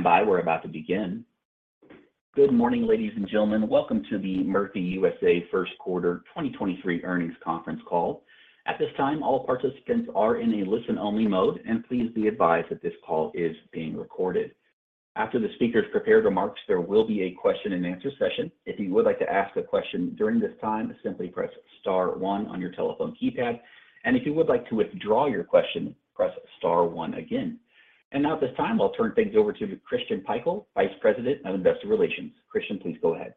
Stand by. We're about to begin. Good morning, ladies and gentlemen. Welcome to the Murphy USA First Quarter 2023 Earnings Conference Call. At this time, all participants are in a listen-only mode. Please be advised that this call is being recorded. After the speakers' prepared remarks, there will be a question-and-answer session. If you would like to ask a question during this time, simply press star one on your telephone keypad. If you would like to withdraw your question, press star one again. Now, at this time, I'll turn things over to Christian Pikul, Vice President of Investor Relations. Christian, please go ahead.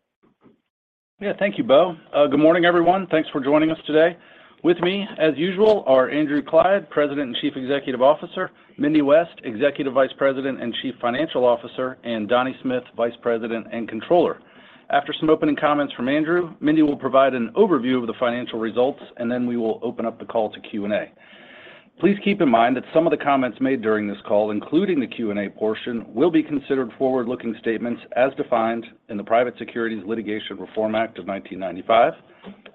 Yeah. Thank you, Beau. Good morning, everyone. Thanks for joining us today. With me, as usual, are Andrew Clyde, President and Chief Executive Officer, Mindy West, Executive Vice President and Chief Financial Officer, and Donnie Smith, Vice President and Controller. After some opening comments from Andrew, Mindy will provide an overview of the financial results, and then we will open up the call to Q&A. Please keep in mind that some of the comments made during this call, including the Q&A portion, will be considered forward-looking statements as defined in the Private Securities Litigation Reform Act of 1995.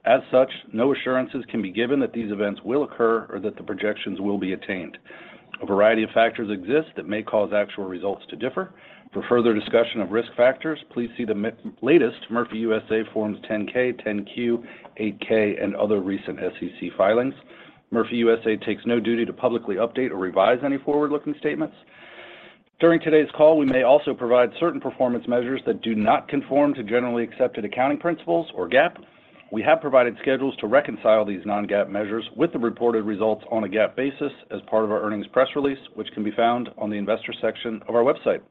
As such, no assurances can be given that these events will occur or that the projections will be attained. A variety of factors exist that may cause actual results to differ. For further discussion of risk factors, please see the latest Murphy USA Forms 10-K, 10-Q, 8-K, and other recent SEC filings. Murphy USA takes no duty to publicly update or revise any forward-looking statements. During today's call, we may also provide certain performance measures that do not conform to generally accepted accounting principles or GAAP. We have provided schedules to reconcile these non-GAAP measures with the reported results on a GAAP basis as part of our earnings press release, which can be found on the investor section of our website.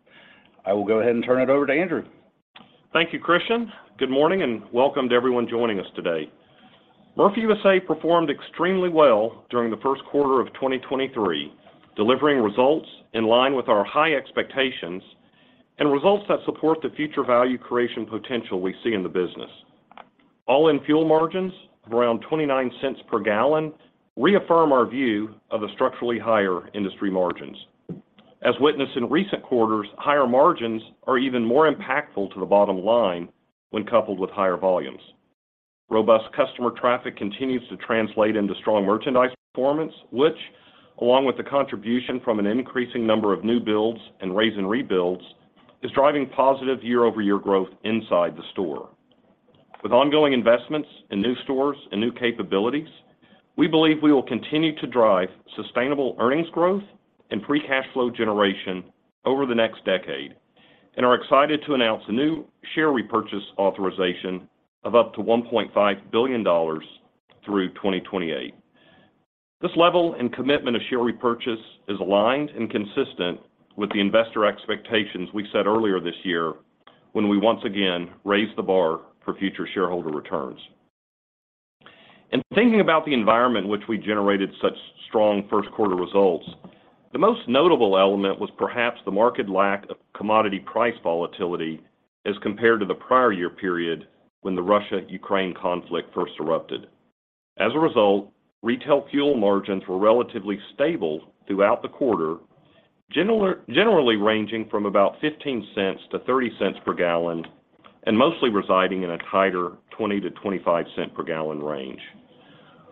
I will go ahead and turn it over to Andrew. Thank you, Christian. Good morning and welcome to everyone joining us today. Murphy USA performed extremely well during the first quarter of 2023, delivering results in line with our high expectations and results that support the future value creation potential we see in the business. All-in fuel margins of around $0.29 per gallon reaffirm our view of the structurally higher industry margins. As witnessed in recent quarters, higher margins are even more impactful to the bottom line when coupled with higher volumes. Robust customer traffic continues to translate into strong merchandise performance, which along with the contribution from an increasing number of new builds and raze-and-rebuilds, is driving positive year-over-year growth inside the store. With ongoing investments in new stores and new capabilities, we believe we will continue to drive sustainable earnings growth and free cash flow generation over the next decade and are excited to announce a new share repurchase authorization of up to $1.5 billion through 2028. This level and commitment of share repurchase is aligned and consistent with the investor expectations we set earlier this year when we once again raised the bar for future shareholder returns. In thinking about the environment in which we generated such strong first quarter results, the most notable element was perhaps the marked lack of commodity price volatility as compared to the prior year period when the Russia-Ukraine conflict first erupted. As a result, retail fuel margins were relatively stable throughout the quarter, generally ranging from about 15 cents-30 cents per gallon and mostly residing in a tighter 20 cents-25 cents per gallon range.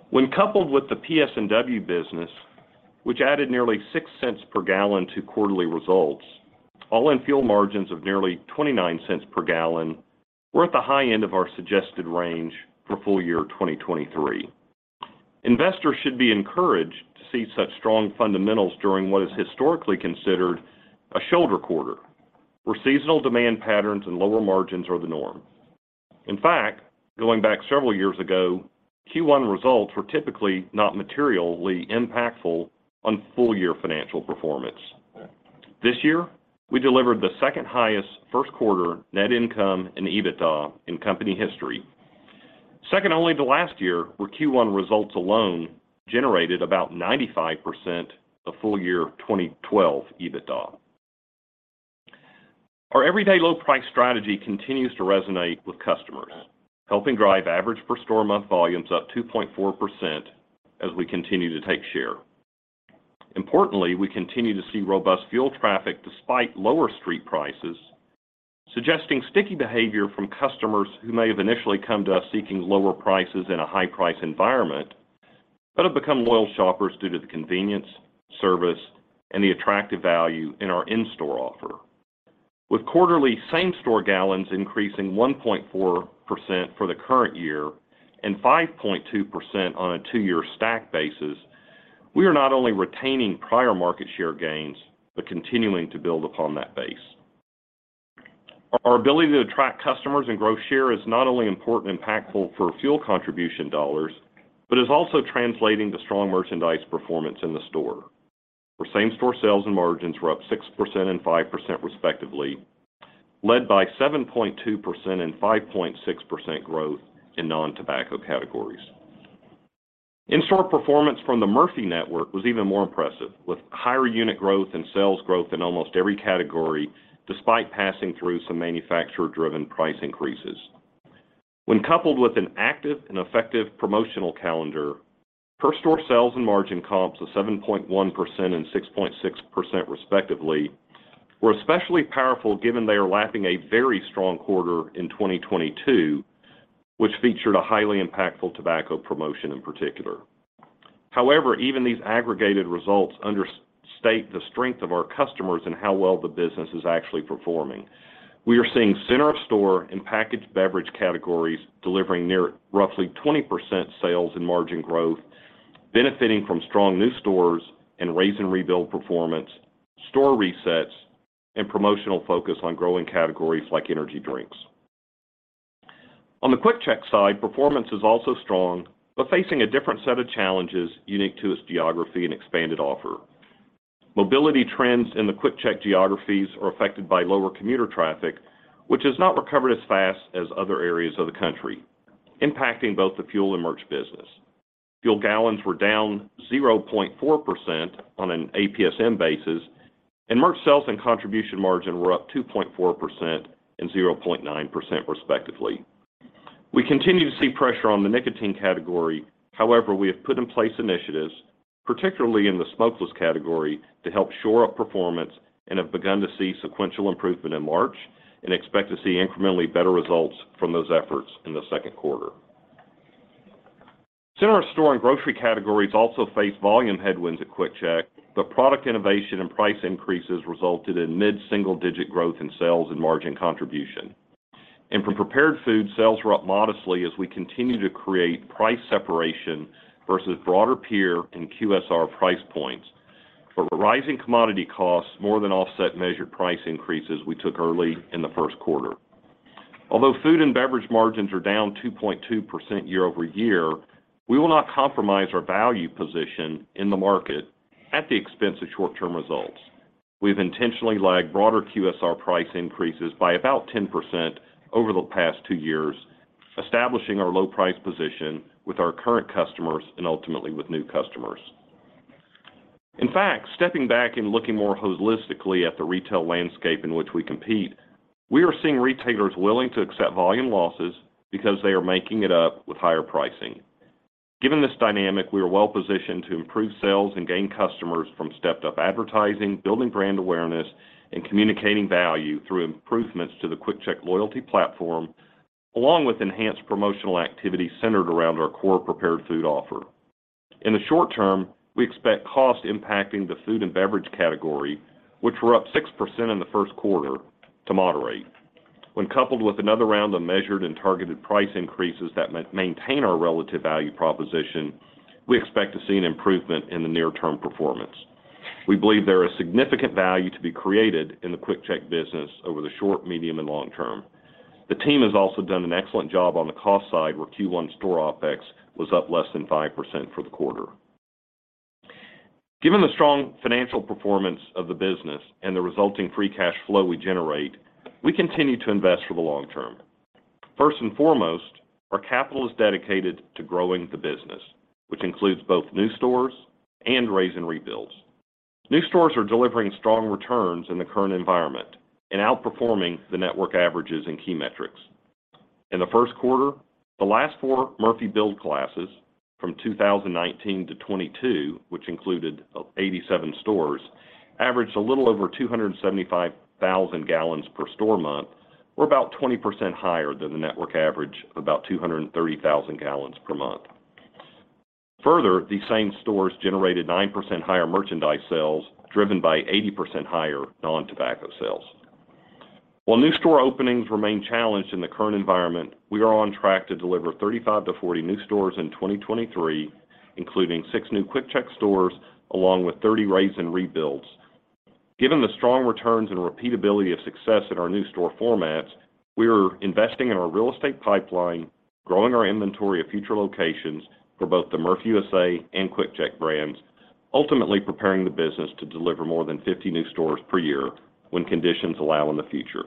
When coupled with the PS&W business, which added nearly 6 cents per gallon to quarterly results, all-in fuel margins of nearly 29 cents per gallon were at the high end of our suggested range for full year 2023. Investors should be encouraged to see such strong fundamentals during what is historically considered a shoulder quarter, where seasonal demand patterns and lower margins are the norm. In fact, going back several years ago, Q1 results were typically not materially impactful on full year financial performance. This year, we delivered the second highest first quarter net income and EBITDA in company history. Second only to last year, where Q1 results alone generated about 95% of full year 2012 EBITDA. Our everyday low price strategy continues to resonate with customers, helping drive average per store month volumes up 2.4% as we continue to take share. Importantly, we continue to see robust fuel traffic despite lower street prices, suggesting sticky behavior from customers who may have initially come to us seeking lower prices in a high-price environment but have become loyal shoppers due to the convenience, service, and the attractive value in our in-store offer. With quarterly same-store gallons increasing 1.4% for the current year and 5.2% on a two-year stack basis, we are not only retaining prior market share gains but continuing to build upon that base. Our ability to attract customers and grow share is not only important and impactful for fuel contribution dollars, is also translating to strong merchandise performance in the store, where same-store sales and margins were up 6% and 5% respectively, led by 7.2% and 5.6% growth in non-tobacco categories. In-store performance from the Murphy network was even more impressive, with higher unit growth and sales growth in almost every category despite passing through some manufacturer-driven price increases. When coupled with an active and effective promotional calendar, per store sales and margin comps of 7.1% and 6.6% respectively were especially powerful given they are lapping a very strong quarter in 2022, which featured a highly impactful tobacco promotion in particular. Even these aggregated results understate the strength of our customers and how well the business is actually performing. We are seeing center of store and packaged beverage categories delivering near roughly 20% sales and margin growth, benefiting from strong new stores and raise and rebuild performance, store resets, and promotional focus on growing categories like energy drinks. On the QuickChek side, performance is also strong, but facing a different set of challenges unique to its geography and expanded offer. Mobility trends in the QuickChek geographies are affected by lower commuter traffic, which has not recovered as fast as other areas of the country, impacting both the fuel and merch business. Fuel gallons were down 0.4% on an APSM basis, and merch sales and contribution margin were up 2.4% and 0.9% respectively. We continue to see pressure on the nicotine category. However, we have put in place initiatives, particularly in the smokeless category, to help shore up performance and have begun to see sequential improvement in March and expect to see incrementally better results from those efforts in the second quarter. Center of store and grocery categories also face volume headwinds at QuickChek, but product innovation and price increases resulted in mid-single digit growth in sales and margin contribution. For prepared food, sales were up modestly as we continue to create price separation versus broader peer and QSR price points. Rising commodity costs more than offset measured price increases we took early in the first quarter. Food and beverage margins are down 2.2% year-over-year, we will not compromise our value position in the market at the expense of short-term results. We've intentionally lagged broader QSR price increases by about 10% over the past two years, establishing our low price position with our current customers and ultimately with new customers. Stepping back and looking more holistically at the retail landscape in which we compete, we are seeing retailers willing to accept volume losses because they are making it up with higher pricing. Given this dynamic, we are well positioned to improve sales and gain customers from stepped-up advertising, building brand awareness, and communicating value through improvements to the QuickChek loyalty platform, along with enhanced promotional activity centered around our core prepared food offer. In the short term, we expect cost impacting the food and beverage category, which were up 6% in the first quarter to moderate. When coupled with another round of measured and targeted price increases that maintain our relative value proposition, we expect to see an improvement in the near term performance. We believe there is significant value to be created in the QuickChek business over the short, medium, and long term. The team has also done an excellent job on the cost side, where Q1 store OpEx was up less than 5% for the quarter. Given the strong financial performance of the business and the resulting free cash flow we generate, we continue to invest for the long term. First and foremost, our capital is dedicated to growing the business, which includes both new stores and raise and rebuilds. New stores are delivering strong returns in the current environment and outperforming the network averages and key metrics. In the first quarter, the last 4 Murphy build classes from 2019-2022, which included 87 stores, averaged a little over 275,000 gallons per store month, or about 20% higher than the network average of about 230,000 gallons per month. These same stores generated 9% higher merchandise sales, driven by 80% higher nontobacco sales. While new store openings remain challenged in the current environment, we are on track to deliver 35-40 new stores in 2023, including 6 new QuickChek stores along with 30 raise and rebuilds. Given the strong returns and repeatability of success in our new store formats, we are investing in our real estate pipeline, growing our inventory of future locations for both the Murphy USA and QuickChek brands, ultimately preparing the business to deliver more than 50 new stores per year when conditions allow in the future.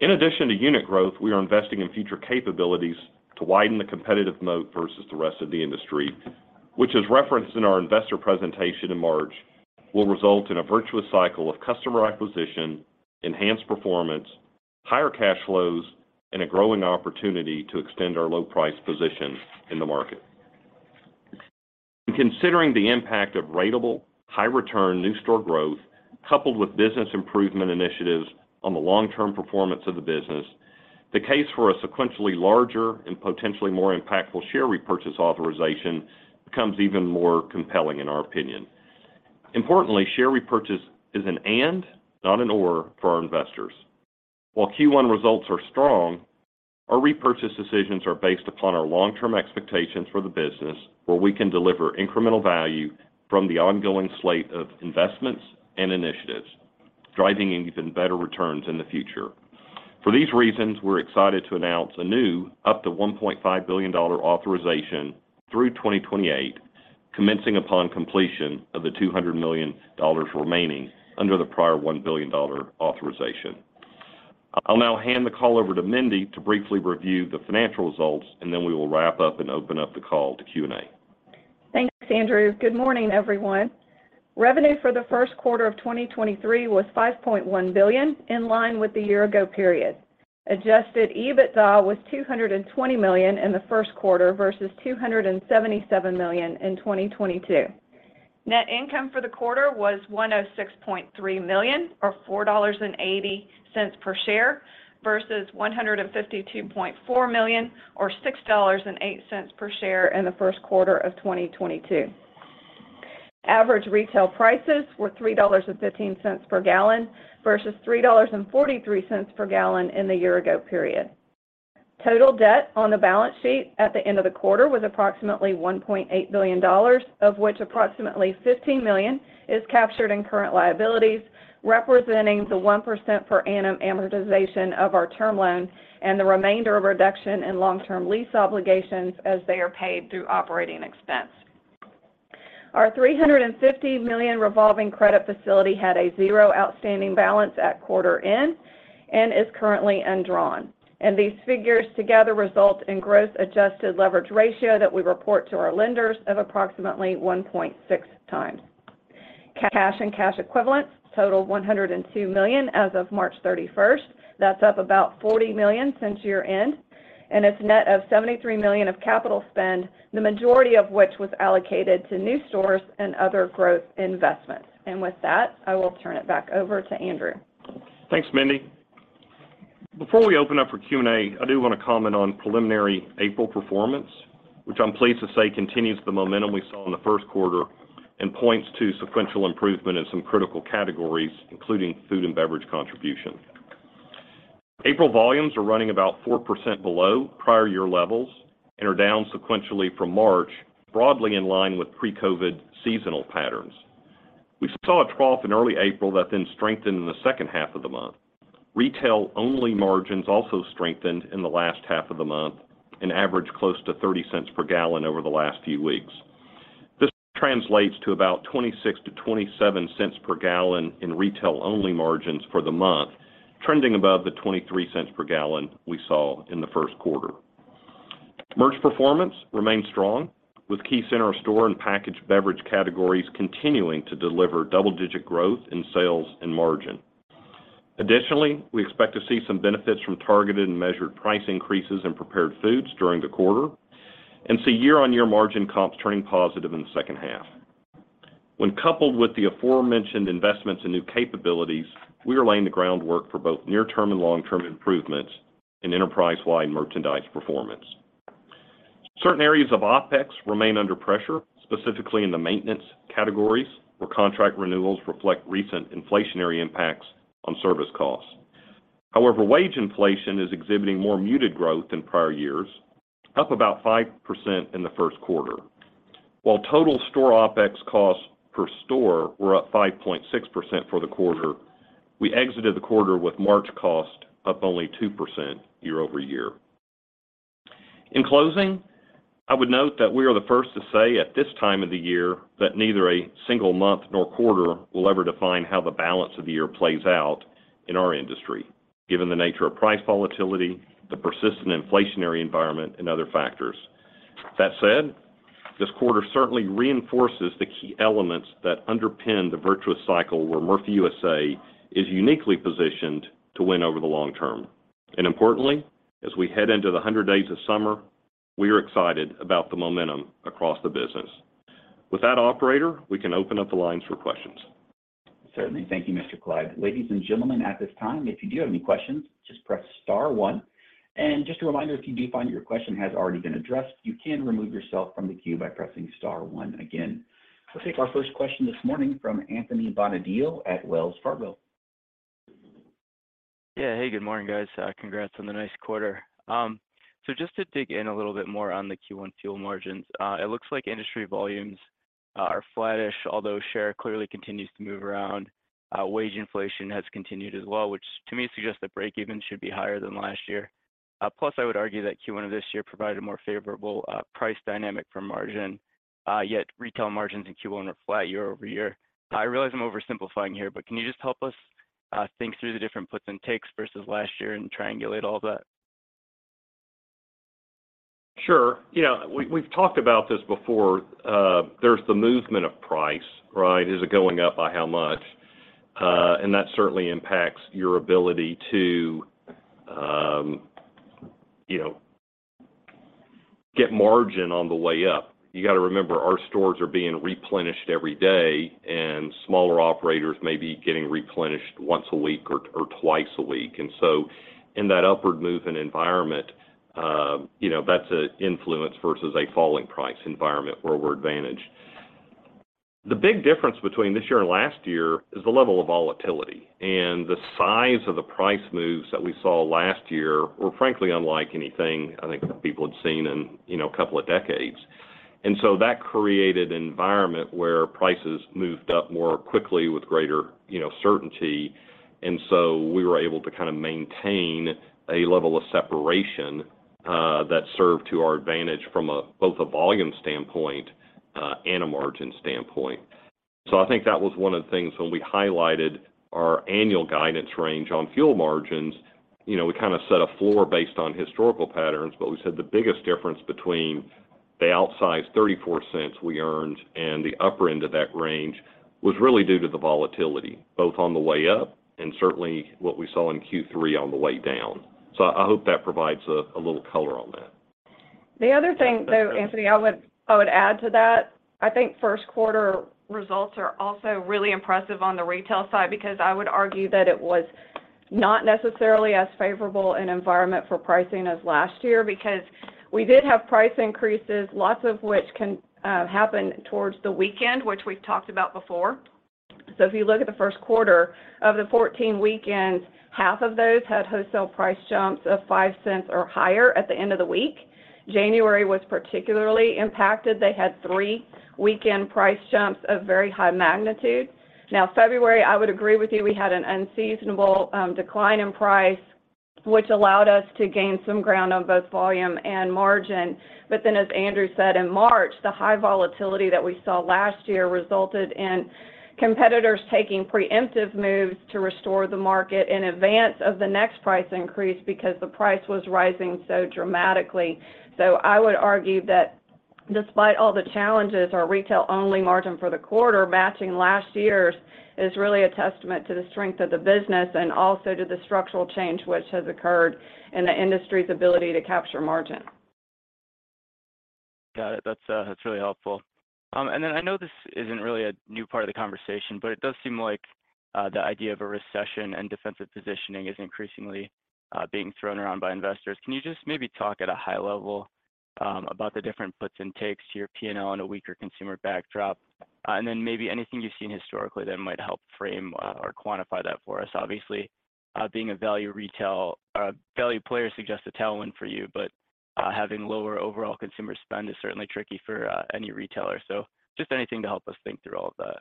In addition to unit growth, we are investing in future capabilities to widen the competitive moat versus the rest of the industry, which as referenced in our investor presentation in March, will result in a virtuous cycle of customer acquisition, enhanced performance, higher cash flows, and a growing opportunity to extend our low price position in the market. Considering the impact of ratable, high return new store growth coupled with business improvement initiatives on the long-term performance of the business, the case for a sequentially larger and potentially more impactful share repurchase authorization becomes even more compelling in our opinion. Importantly, share repurchase is an and, not an or for our investors. While Q1 results are strong, our repurchase decisions are based upon our long-term expectations for the business, where we can deliver incremental value from the ongoing slate of investments and initiatives, driving even better returns in the future. For these reasons, we're excited to announce a new up to $1.5 billion authorization through 2028, commencing upon completion of the $200 million remaining under the prior $1 billion authorization. I'll now hand the call over to Mindy to briefly review the financial results, and then we will wrap up and open up the call to Q&A. Thanks, Andrew. Good morning, everyone. Revenue for the first quarter of 2023 was $5.1 billion, in line with the year ago period. Adjusted EBITDA was $220 million in the first quarter versus $277 million in 2022. Net income for the quarter was $106.3 million or $4.80 per share versus $152.4 million or $6.08 per share in the first quarter of 2022. Average retail prices were $3.15 per gallon versus $3.43 per gallon in the year ago period. Total debt on the balance sheet at the end of the quarter was approximately $1.8 billion, of which approximately $15 million is captured in current liabilities, representing the 1% per annum amortization of our term loan and the remainder of reduction in long-term lease obligations as they are paid through OpEx. Our $350 million revolving credit facility had a zero outstanding balance at quarter end and is currently undrawn. These figures together result in gross adjusted leverage ratio that we report to our lenders of approximately 1.6 times. Cash and cash equivalents totaled $102 million as of March 31st. That's up about $40 million since year-end, and it's net of $73 million of capital spend, the majority of which was allocated to new stores and other growth investments. With that, I will turn it back over to Andrew. Thanks, Mindy. Before we open up for Q&A, I do want to comment on preliminary April performance, which I'm pleased to say continues the momentum we saw in the first quarter and points to sequential improvement in some critical categories, including food and beverage contribution. April volumes are running about 4% below prior year levels and are down sequentially from March, broadly in line with pre-COVID seasonal patterns. We saw a trough in early April that then strengthened in the second half of the month. Retail-only margins also strengthened in the last half of the month and averaged close to $0.30 per gallon over the last few weeks. This translates to about $0.26-$0.27 per gallon in retail-only margins for the month, trending above the $0.23 per gallon we saw in the first quarter. Merch performance remained strong with key center store and packaged beverage categories continuing to deliver double-digit growth in sales and margin. Additionally, we expect to see some benefits from targeted and measured price increases in prepared foods during the quarter and see year-on-year margin comps turning positive in the second half. When coupled with the aforementioned investments and new capabilities, we are laying the groundwork for both near-term and long-term improvements in enterprise-wide merchandise performance. Certain areas of OpEx remain under pressure, specifically in the maintenance categories, where contract renewals reflect recent inflationary impacts on service costs. However, wage inflation is exhibiting more muted growth than prior years, up about 5% in the first quarter. While total store OpEx costs per store were up 5.6% for the quarter, we exited the quarter with March cost up only 2% year-over-year. In closing, I would note that we are the first to say at this time of the year that neither a single month nor quarter will ever define how the balance of the year plays out in our industry, given the nature of price volatility, the persistent inflationary environment and other factors. That said, this quarter certainly reinforces the key elements that underpin the virtuous cycle where Murphy USA is uniquely positioned to win over the long term. Importantly, as we head into the 100 days of summer, we are excited about the momentum across the business. With that operator, we can open up the lines for questions. Certainly. Thank you, Mr. Clyde. Ladies and gentlemen, at this time, if you do have any questions, just press star one. Just a reminder, if you do find your question has already been addressed, you can remove yourself from the queue by pressing star one again. Let's take our first question this morning from Anthony Bonadio at Wells Fargo. Yeah. Hey, good morning, guys. Congrats on the nice quarter. Just to dig in a little bit more on the Q1 fuel margins. It looks like industry volumes are flattish, although share clearly continues to move around. Wage inflation has continued as well, which to me suggests that breakeven should be higher than last year. Plus, I would argue that Q1 of this year provided a more favorable price dynamic for margin, yet retail margins in Q1 are flat year-over-year. I realize I'm oversimplifying here, can you just help us think through the different puts and takes versus last year and triangulate all that? Sure. You know, we've talked about this before. There's the movement of price, right? Is it going up? By how much? That certainly impacts your ability to, you know, get margin on the way up. You got to remember our stores are being replenished every day, and smaller operators may be getting replenished once a week or twice a week. In that upward movement environment, you know, that's an influence versus a falling price environment where we're advantaged. The big difference between this year and last year is the level of volatility. The size of the price moves that we saw last year were frankly unlike anything I think people had seen in, you know, a couple of decades. That created an environment where prices moved up more quickly with greater, you know, certainty. We were able to kind of maintain a level of separation that served to our advantage from both a volume standpoint and a margin standpoint. I think that was one of the things when we highlighted our annual guidance range on fuel margins, you know, we kind of set a floor based on historical patterns, but we said the biggest difference between the outsized $0.34 we earned and the upper end of that range was really due to the volatility, both on the way up and certainly what we saw in Q3 on the way down. I hope that provides a little color on that. The other thing though, Anthony, I would add to that, I think first quarter results are also really impressive on the retail side because I would argue that it was not necessarily as favorable an environment for pricing as last year because we did have price increases, lots of which can happen towards the weekend, which we've talked about before. If you look at the first quarter, of the 14 weekends, half of those had wholesale price jumps of $0.05 or higher at the end of the week. January was particularly impacted. They had three weekend price jumps of very high magnitude. February, I would agree with you. We had an unseasonable decline in price, which allowed us to gain some ground on both volume and margin. As Andrew said, in March, the high volatility that we saw last year resulted in competitors taking preemptive moves to restore the market in advance of the next price increase because the price was rising so dramatically. I would argue that despite all the challenges, our retail-only margin for the quarter matching last year's is really a testament to the strength of the business and also to the structural change which has occurred in the industry's ability to capture margin. Got it. That's really helpful. I know this isn't really a new part of the conversation, but it does seem like the idea of a recession and defensive positioning is increasingly being thrown around by investors. Can you just maybe talk at a high level about the different puts and takes to your P&L and a weaker consumer backdrop? Maybe anything you've seen historically that might help frame or quantify that for us. Obviously, being a value player suggests a tailwind for you, but having lower overall consumer spend is certainly tricky for any retailer. Just anything to help us think through all of that.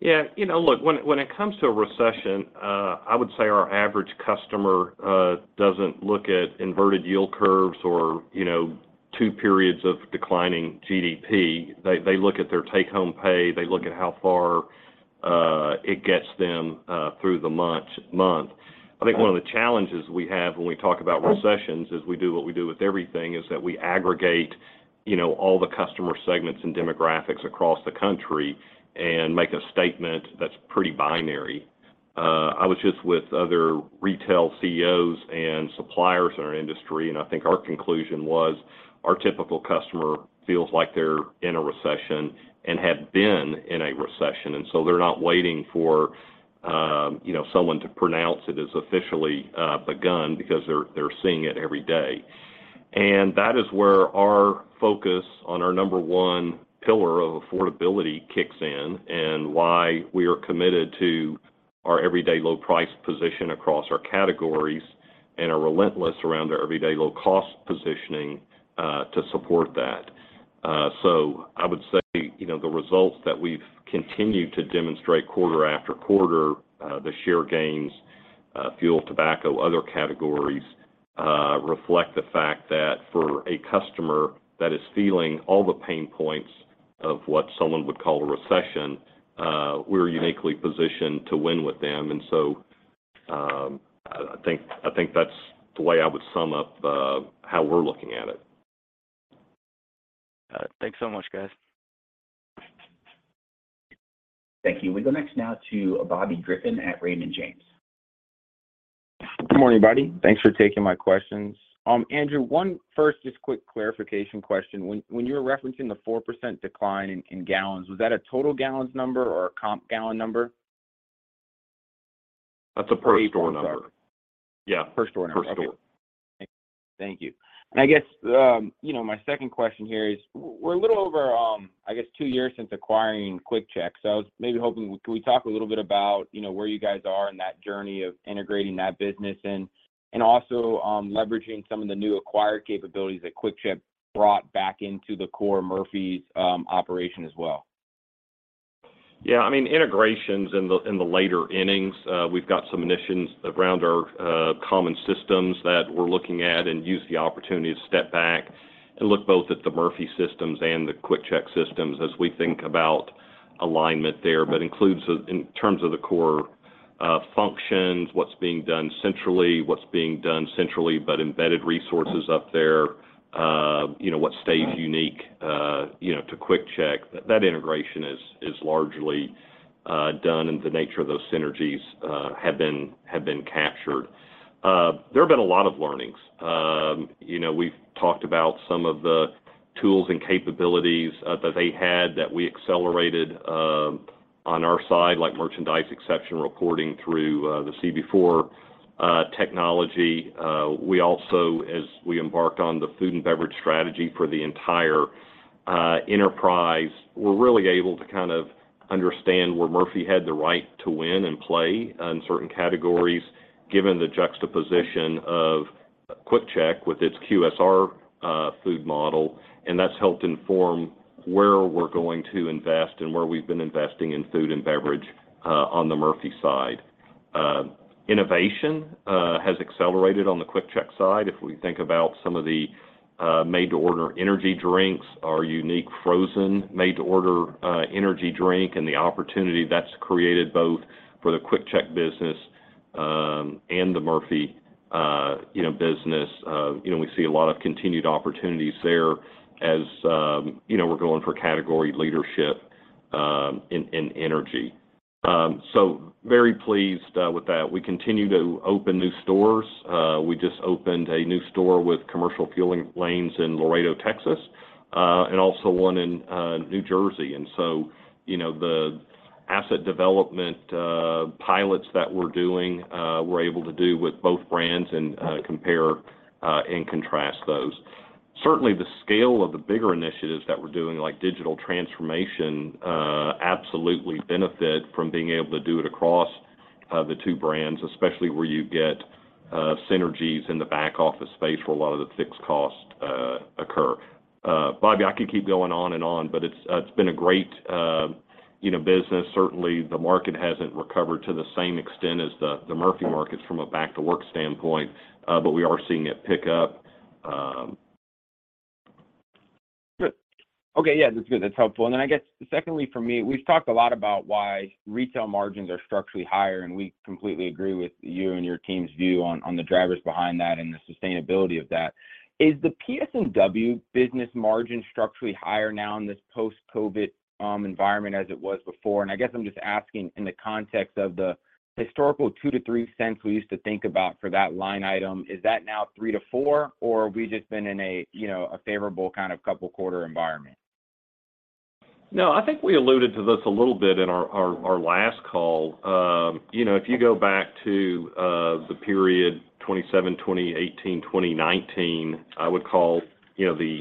Yeah. You know, look, when it comes to a recession, I would say our average customer doesn't look at inverted yield curves or, you know, two periods of declining GDP. They look at their take-home pay. They look at how far it gets them through the month. I think one of the challenges we have when we talk about recessions is we do what we do with everything, is that we aggregate, you know, all the customer segments and demographics across the country and make a statement that's pretty binary. I was just with other retail CEOs and suppliers in our industry, and I think our conclusion was our typical customer feels like they're in a recession and have been in a recession, and so they're not waiting for, you know, someone to pronounce it has officially begun because they're seeing it every day. That is where our focus on our number one pillar of affordability kicks in and why we are committed to our everyday low price position across our categories and are relentless around our everyday low cost positioning to support that. I would say, you know, the results that we've continued to demonstrate quarter after quarter, the share gains, fuel, tobacco, other categories, reflect the fact that for a customer that is feeling all the pain points of what someone would call a recession, we're uniquely positioned to win with them. I think that's the way I would sum up how we're looking at it. Got it. Thanks so much, guys. Thank you. We go next now to Bobby Griffin at Raymond James. Good morning, Bobby. Thanks for taking my questions. Andrew, one first just quick clarification question. When you were referencing the 4% decline in gallons, was that a total gallons number or a comp gallon number? That's a per store number. Per store. Yeah. Per store number. Per store. Okay. Thank you. I guess, you know, my second question here is, we're a little over, I guess two years since acquiring QuickChek, I was maybe hoping, can we talk a little bit about, you know, where you guys are in that journey of integrating that business in, and also, leveraging some of the new acquired capabilities that QuickChek brought back into the core Murphy's operation as well? Yeah, I mean, integration's in the, in the later innings. We've got some initiatives around our common systems that we're looking at and use the opportunity to step back and look both at the Murphy systems and the QuickChek systems as we think about alignment there. Includes, in terms of the core functions, what's being done centrally, but embedded resources up there, you know, what stays unique, you know, to QuickChek. That integration is largely done, and the nature of those synergies have been captured. There have been a lot of learnings. You know, we've talked about some of the tools and capabilities that they had that we accelerated on our side, like merchandise exception reporting through the C4 technology. We also, as we embarked on the food and beverage strategy for the entire enterprise, we're really able to kind of understand where Murphy had the right to win and play in certain categories, given the juxtaposition of QuickChek with its QSR food model, and that's helped inform where we're going to invest and where we've been investing in food and beverage on the Murphy side. Innovation has accelerated on the QuickChek side. If we think about some of the made to order energy drinks, our unique frozen made to order energy drink and the opportunity that's created both for the QuickChek business, and the Murphy, you know, business, you know, we see a lot of continued opportunities there as, you know, we're going for category leadership in energy. So very pleased with that. We continue to open new stores. We just opened a new store with commercial fueling lanes in Laredo, Texas, and also one in New Jersey. You know, the asset development pilots that we're doing, we're able to do with both brands and compare and contrast those. Certainly, the scale of the bigger initiatives that we're doing, like digital transformation, absolutely benefit from being able to do it across the two brands, especially where you get synergies in the back office space where a lot of the fixed costs occur. Bobby, I could keep going on and on, but it's been a great, you know, business. Certainly, the market hasn't recovered to the same extent as the Murphy markets from a back-to-work standpoint, but we are seeing it pick up. Good. Okay, yeah, that's good. That's helpful. I guess secondly for me, we've talked a lot about why retail margins are structurally higher, and we completely agree with you and your team's view on the drivers behind that and the sustainability of that. Is the PS&W business margin structurally higher now in this post-COVID environment as it was before? I guess I'm just asking in the context of the historical $0.02-$0.03 we used to think about for that line item, is that now $0.03-$0.04, or have we just been in a, you know, a favorable kind of couple quarter environment? No, I think we alluded to this a little bit in our last call. You know, if you go back to the period 2017, 2018, 2019, I would call, you know, the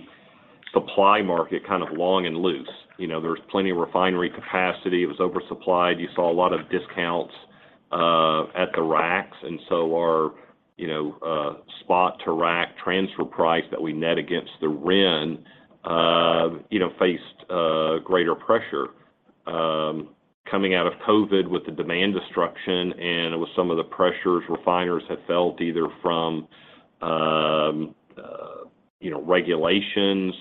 supply market kind of long and loose. You know, there was plenty of refinery capacity, it was oversupplied. You saw a lot of discounts at the racks. Our, you know, spot-to-rack transfer price that we net against the RIN, you know, faced greater pressure. Coming out of COVID with the demand destruction and with some of the pressures refiners had felt either from, you know, regulations,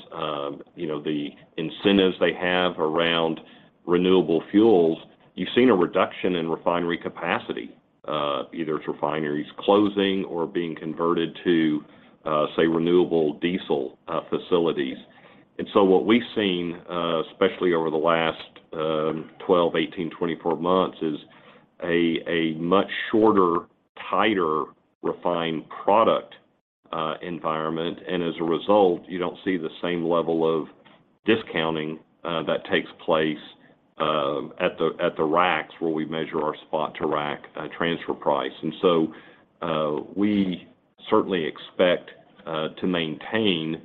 you know, the incentives they have around renewable fuels, you've seen a reduction in refinery capacity. Either it's refineries closing or being converted to, say, renewable diesel facilities. What we've seen, especially over the last, 12, 18, 24 months is a much shorter, tighter refined product environment. As a result, you don't see the same level of discounting that takes place at the racks where we measure our spot-to-rack transfer price. We certainly expect to maintain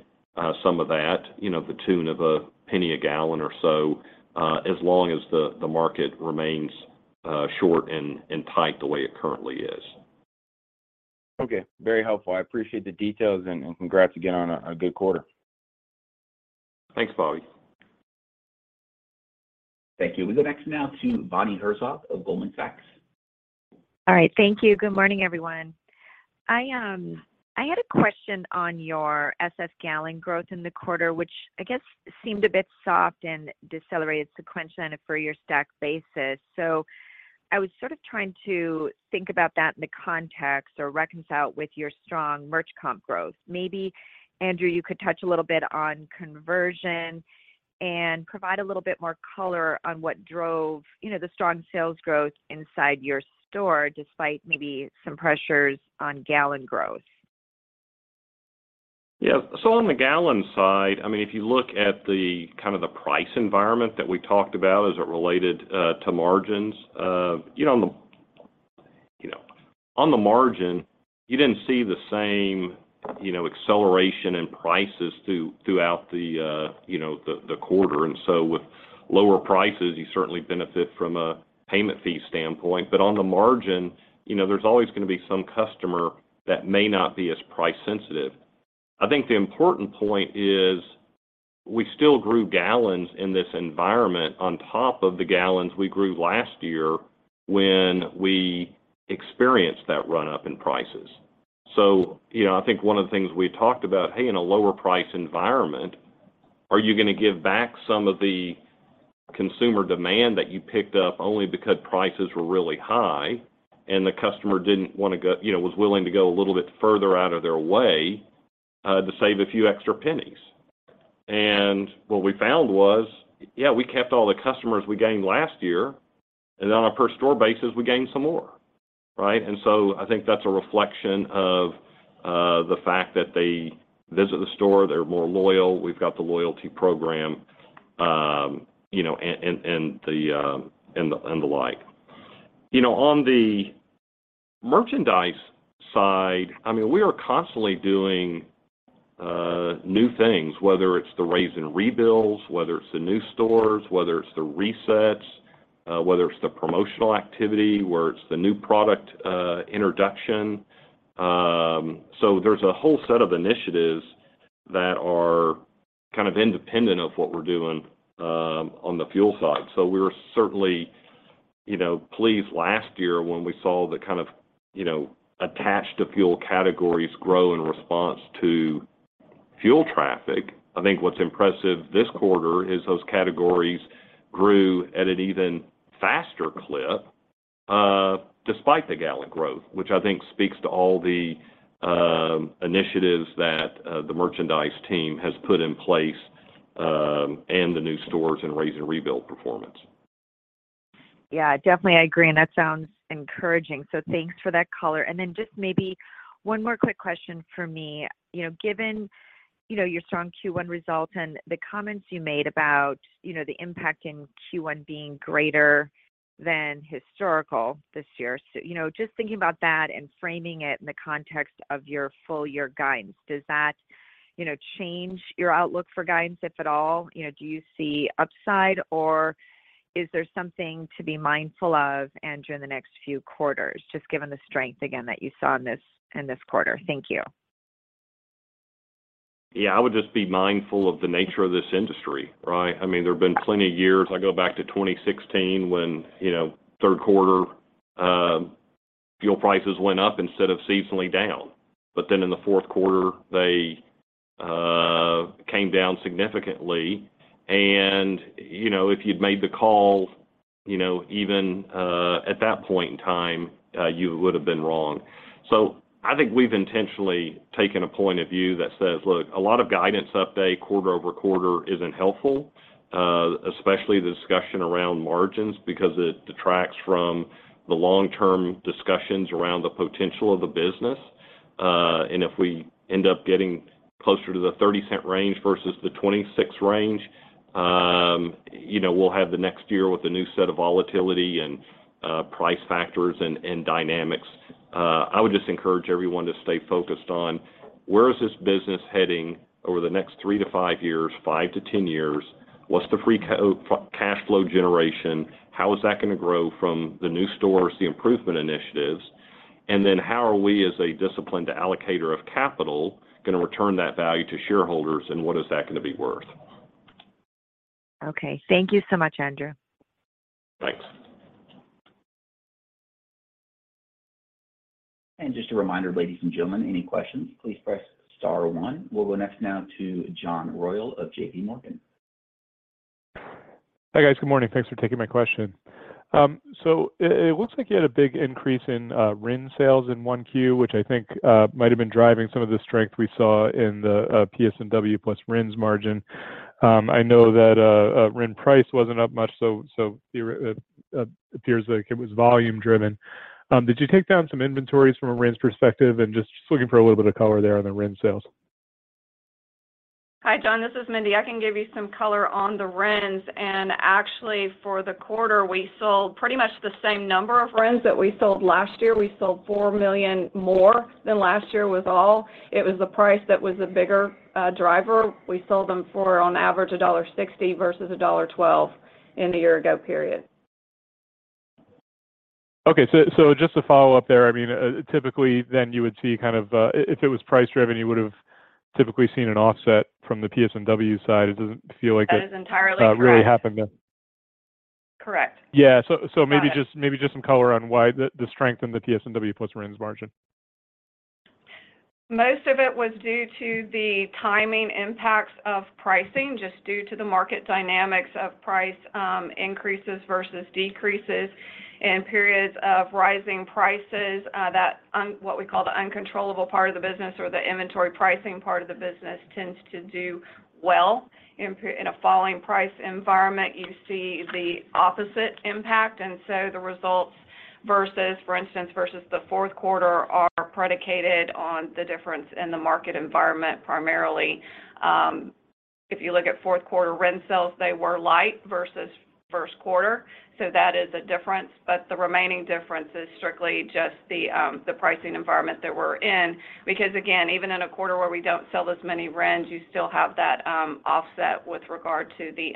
some of that, you know, the tune of $0.01 a gallon or so, as long as the market remains short and tight the way it currently is. Okay. Very helpful. I appreciate the details and congrats again on a good quarter. Thanks, Bobby. Thank you. We go next now to Bonnie Herzog of Goldman Sachs. All right. Thank you. Good morning, everyone. I had a question on your SSS gallon growth in the quarter, which I guess seemed a bit soft and decelerated sequentially on a for year stack basis. I was sort of trying to think about that in the context or reconcile with your strong merch comp growth. Maybe, Andrew, you could touch a little bit on conversion and provide a little bit more color on what drove, you know, the strong sales growth inside your store, despite maybe some pressures on gallon growth. Yeah. On the gallon side, I mean, if you look at the kind of the price environment that we talked about as it related to margins, you know, on the margin, you didn't see the same, you know, acceleration in prices throughout the quarter. With lower prices, you certainly benefit from a payment fee standpoint. On the margin, you know, there's always going to be be some customer that may not be as price sensitive. I think the important point is we still grew gallons in this environment on top of the gallons we grew last year when we experienced that run-up in prices. You know, I think one of the things we talked about, hey, in a lower price environment, are you going to give back some of the consumer demand that you picked up only because prices were really high and the customer didn't want to go, you know, was willing to go a little bit further out of their way to save a few extra pennies? What we found was, yeah, we kept all the customers we gained last year, and then on a per store basis, we gained some more, right? I think that's a reflection of the fact that they visit the store, they're more loyal. We've got the loyalty program, you know, and, and the, and the, and the like. You know, on the merchandise side, I mean, we are constantly doing new things, whether it's the raise and rebuilds, whether it's the new stores, whether it's the resets, whether it's the promotional activity, whether it's the new product introduction. There's a whole set of initiatives that are kind of independent of what we're doing on the fuel side. We were certainly, you know, pleased last year when we saw the kind of, you know, attached to fuel categories grow in response to fuel traffic. I think what's impressive this quarter is those categories grew at an even faster clip. Despite the gallon growth, which I think speaks to all the initiatives that the merchandise team has put in place, and the new stores and raise and rebuild performance. Yeah, definitely, I agree. That sounds encouraging, thanks for that color. Just maybe one more quick question for me. You know, given, you know, your strong Q1 results and the comments you made about, you know, the impact in Q1 being greater than historical this year. You know, just thinking about that and framing it in the context of your full year guidance, does that, you know, change your outlook for guidance if at all? You know, do you see upside or is there something to be mindful of, Andrew, in the next few quarters, just given the strength again that you saw in this quarter? Thank you. Yeah, I would just be mindful of the nature of this industry, right? I mean, there have been plenty of years. I go back to 2016 when, you know, third quarter, fuel prices went up instead of seasonally down. In the fourth quarter, they came down significantly. You know, if you'd made the call, you know, even at that point in time, you would have been wrong. I think we've intentionally taken a point of view that says, look, a lot of guidance update quarter-over-quarter isn't helpful, especially the discussion around margins, because it detracts from the long-term discussions around the potential of the business. If we end up getting closer to the 30 cent range versus the 26 range, you know, we'll have the next year with a new set of volatility and price factors and dynamics. I would just encourage everyone to stay focused on where is this business heading over the next three to five years, five to 10 years? What's the free cash flow generation? How is that going to grow from the new stores, the improvement initiatives? Then how are we as a disciplined allocator of capital going to return that value to shareholders, and what is that going to be worth? Okay. Thank you so much, Andrew. Thanks. Just a reminder, ladies and gentlemen, any questions, please press star one. We'll go next now to John Royall of J.P. Morgan. Hi, guys. Good morning. Thanks for taking my question. So it looks like you had a big increase in RIN sales in 1Q, which I think might have been driving some of the strength we saw in the PS&W plus RINs margin. I know that RIN price wasn't up much, so it appears like it was volume driven. Did you take down some inventories from a RIN's perspective? Just looking for a little bit of color there on the RIN sales. Hi, John, this is Mindy. I can give you some color on the RINs. Actually, for the quarter, we sold pretty much the same number of RINs that we sold last year. We sold 4 million more than last year with all. It was the price that was a bigger driver. We sold them for on average $1.60 versus $1.12 in the year ago period. Just to follow up there, I mean, typically then you would see kind of, if it was price-driven, you would have typically seen an offset from the PSW side. It doesn't feel like it- That is entirely correct. really happened then. Correct. Yeah. maybe Got it. Maybe just some color on why the strength in the PSW plus RINs margin. Most of it was due to the timing impacts of pricing, just due to the market dynamics of price, increases versus decreases. In periods of rising prices, that what we call the uncontrollable part of the business or the inventory pricing part of the business tends to do well. In a falling price environment, you see the opposite impact, the results versus, for instance, versus the fourth quarter are predicated on the difference in the market environment primarily. If you look at fourth quarter RIN sales, they were light versus first quarter. That is a difference, but the remaining difference is strictly just the pricing environment that we're in. Because again, even in a quarter where we don't sell as many RINs, you still have that offset with regard to the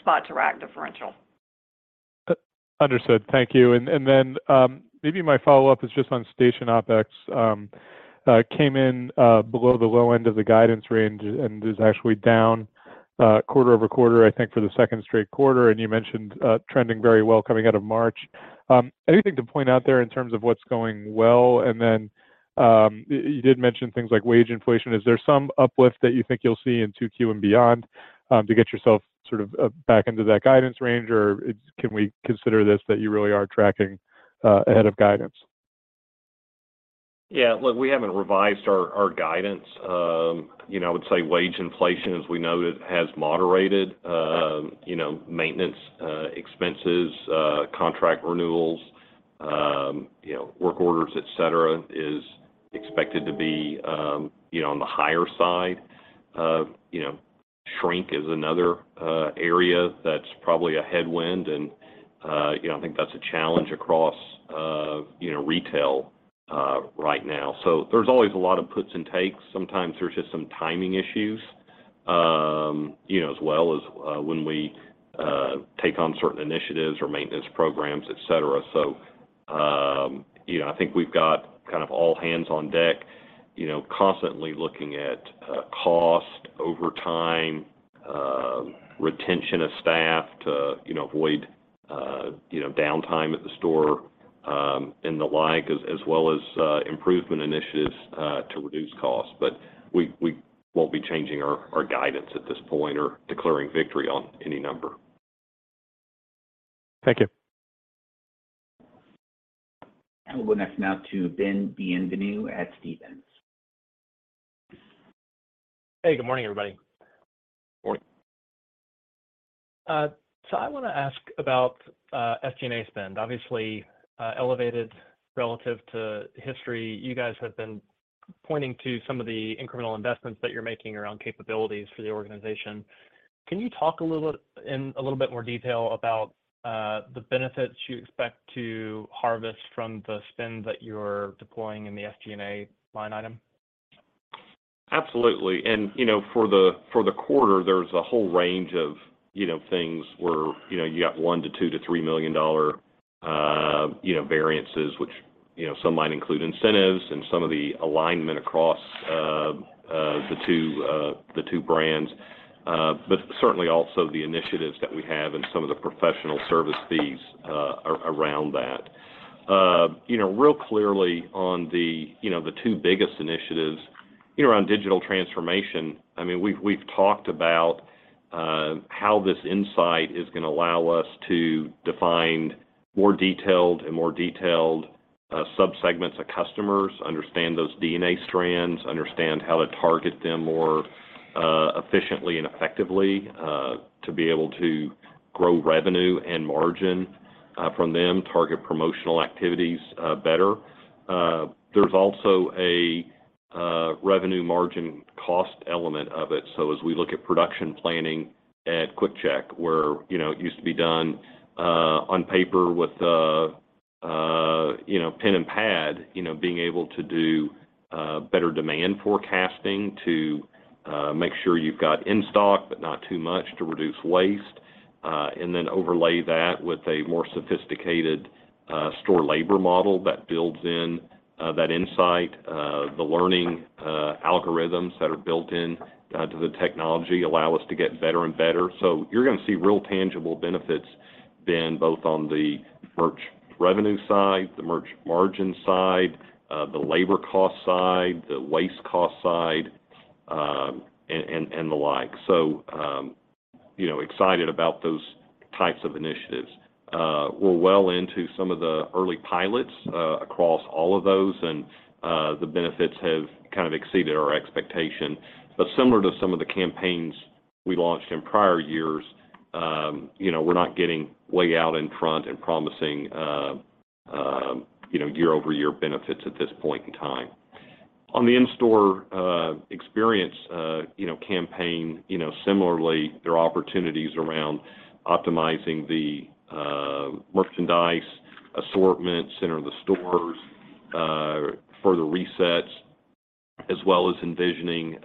spot to rack differential. Understood. Thank you. Then, maybe my follow-up is just on station OpEx, came in below the low end of the guidance range and is actually down quarter-over-quarter, I think for the second straight quarter, and you mentioned trending very well coming out of March. Anything to point out there in terms of what's going well? Then, you did mention things like wage inflation. Is there some uplift that you think you'll see in 2Q and beyond to get yourself sort of back into that guidance range? Can we consider this that you really are tracking ahead of guidance? Yeah. Look, we haven't revised our guidance. You know, I would say wage inflation, as we know, it has moderated. You know, maintenance expenses, contract renewals, you know, work orders, et cetera, is expected to be, you know, on the higher side. You know, shrink is another area that's probably a headwind and, you know, I think that's a challenge across, you know, retail right now. There's always a lot of puts and takes. Sometimes there's just some timing issues, you know, as well as, when we take on certain initiatives or maintenance programs, et cetera. You know, I think we've got kind of all hands on deck, you know, constantly looking at cost over time, retention of staff to, you know, avoid, you know, downtime at the store, and the like, as well as improvement initiatives to reduce costs. We won't be changing our guidance at this point or declaring victory on any number. Thank you. We'll go next now to Ben Bienvenu at Stephens. Hey, good morning, everybody. Morning. I want to ask about SG&A spend. Obviously, elevated relative to history. You guys have been pointing to some of the incremental investments that you're making around capabilities for the organization. Can you talk in a little bit more detail about the benefits you expect to harvest from the spend that you're deploying in the SG&A line item? Absolutely. You know, for the, for the quarter, there's a whole range of, you know, things where, you know, you got $1 million-$3 million, you know, variances, which, you know, some might include incentives and some of the alignment across the two brands. Certainly also the initiatives that we have and some of the professional service fees around that. You know, real clearly on the, you know, the two biggest initiatives, you know, around digital transformation, I mean, we've talked about how this insight is going to allow us to define more detailed sub-segments of customers, understand those DNA strands, understand how to target them more efficiently and effectively to be able to grow revenue and margin from them, target promotional activities better. There's also a revenue margin cost element of it. As we look at production planning at QuickChek, where, you know, it used to be done on paper with, you know, pen and pad, you know, being able to do better demand forecasting to make sure you've got in-stock, but not too much to reduce waste. Overlay that with a more sophisticated store labor model that builds in that insight. The learning algorithms that are built in to the technology allow us to get better and better. You're going to see real tangible benefits then both on the merch revenue side, the merch margin side, the labor cost side, the waste cost side, and the like. You know, excited about those types of initiatives. We're well into some of the early pilots across all of those, and the benefits have kind of exceeded our expectation. Similar to some of the campaigns we launched in prior years, you know, we're not getting way out in front and promising, you know, year-over-year benefits at this point in time. On the in-store experience, you know, campaign, you know, similarly, there are opportunities around optimizing the merchandise assortment, center of the stores, further resets, as well as envisioning,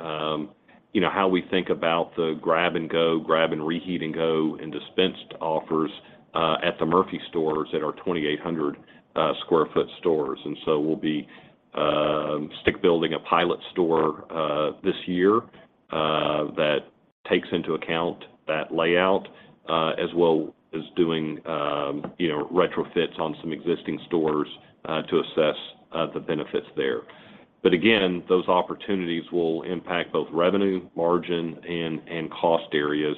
you know, how we think about the grab and go, grab and reheat and go, and dispensed offers at the Murphy stores that are 2,800 sq ft stores. We'll be stick building a pilot store this year that takes into account that layout as well as doing, you know, retrofits on some existing stores to assess the benefits there. Again, those opportunities will impact both revenue, margin, and cost areas.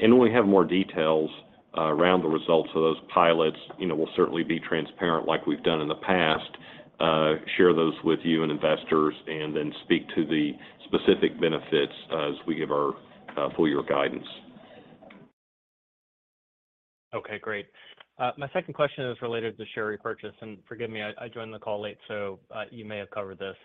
When we have more details around the results of those pilots, you know, we'll certainly be transparent like we've done in the past, share those with you and investors, and then speak to the specific benefits as we give our full year guidance. Okay, great. My second question is related to share repurchase. Forgive me, I joined the call late, so you may have covered this.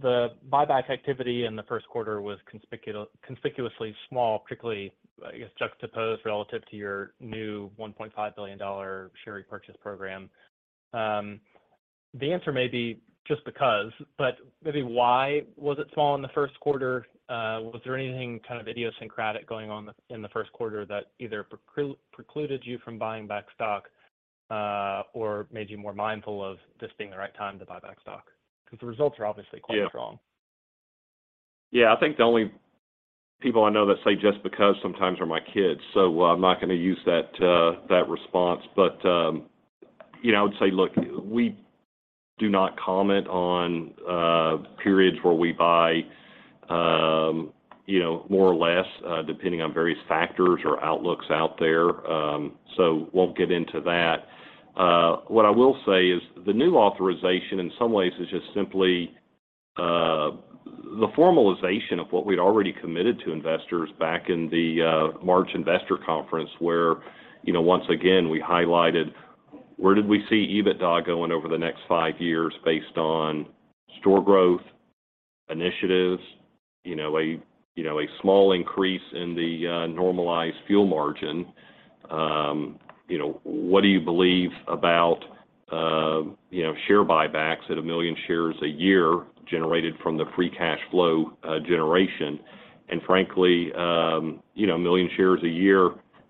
The buyback activity in the first quarter was conspicuously small, particularly, I guess, juxtaposed relative to your new $1.5 billion share repurchase program. The answer may be just because, but maybe why was it small in the first quarter? Was there anything kind of idiosyncratic going on in the first quarter that either precluded you from buying back stock, or made you more mindful of this being the right time to buy back stock? The results are obviously quite strong. Yeah. Yeah, I think the only people I know that say just because sometimes are my kids, so I'm not going to use that response. You know, I would say, look, we do not comment on periods where we buy, you know, more or less, depending on various factors or outlooks out there, so won't get into that. What I will say is the new authorization in some ways is just simply the formalization of what we'd already committed to investors back in the March investor conference, where, you know, once again, we highlighted where did we see EBITDA going over the next five years based on store growth initiatives, a small increase in the normalized fuel margin. You know, what do you believe about, you know, share buybacks at 1 million shares a year generated from the free cash flow generation? Frankly, you know, 1 million shares a year,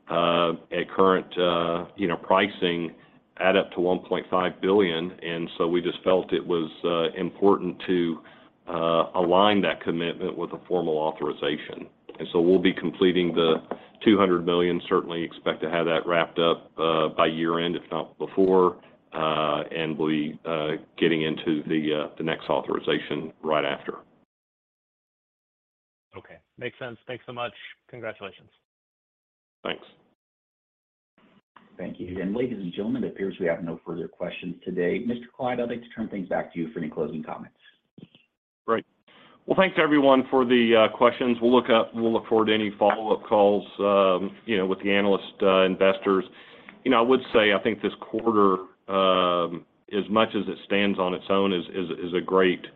at current, you know, pricing add up to $1.5 billion. So we just felt it was important to align that commitment with a formal authorization. So we'll be completing the $200 million. Certainly expect to have that wrapped up by year-end, if not before, and we'll be getting into the next authorization right after. Okay. Makes sense. Thanks so much. Congratulations. Thanks. Thank you. Ladies and gentlemen, it appears we have no further questions today. Mr. Clyde, I'd like to turn things back to you for any closing comments. Great. Well, thanks everyone for the questions. We'll look forward to any follow-up calls, you know, with the analyst, investors. You know, I would say, I think this quarter, as much as it stands on its own is a great quarter.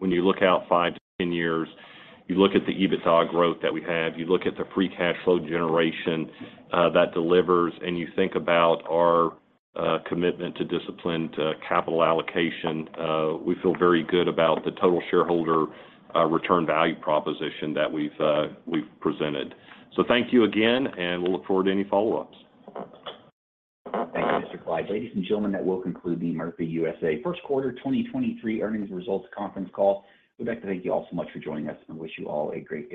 When you look out five to 10 years, you look at the EBITDA growth that we have, you look at the free cash flow generation that delivers, and you think about our commitment to disciplined capital allocation, we feel very good about the total shareholder return value proposition that we've presented. Thank you again, and we'll look forward to any follow-ups. Thank you, Mr. Clyde. Ladies and gentlemen, that will conclude the Murphy USA first quarter 2023 earnings results conference call. We'd like to thank you all so much for joining us, and wish you all a great day.